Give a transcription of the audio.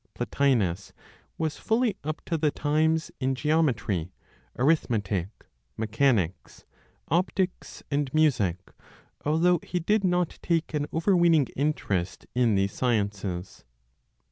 Plotinos was fully up to the times in geometry, arithmetic, mechanics, optics and music, although he did not take an over weening interest in these sciences.